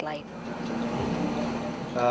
rumah sakit lain